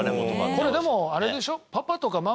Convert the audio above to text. これでもあれでしょ？